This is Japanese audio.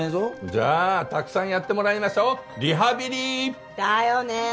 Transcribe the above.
じゃあたくさんやってもらいましょリハビリ！だよね。